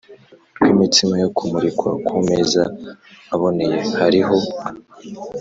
rw imitsima yo kumurikwa ku meza aboneye hariho